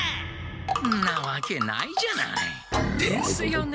んなわけないじゃない。ですよね。